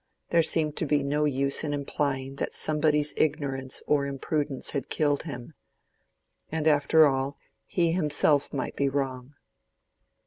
There seemed to be no use in implying that somebody's ignorance or imprudence had killed him. And after all, he himself might be wrong.